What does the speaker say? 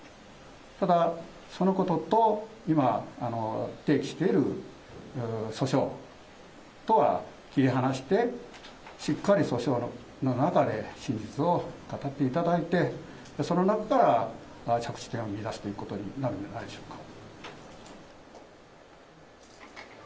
ただそのことと今、提起している訴訟とは切り離して、しっかり訴訟の中で真実を語っていただいて、その中から、着地点を見いだすということになるんではないでしょうか。